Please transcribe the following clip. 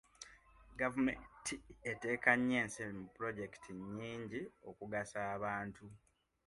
Gavumenti etteka nnyo ensimbi mu pulojekiti nnyingi okugasa abantu.